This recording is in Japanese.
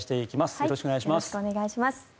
よろしくお願いします。